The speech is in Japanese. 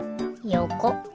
よこ。